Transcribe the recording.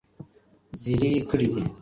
زېلې کړي دي -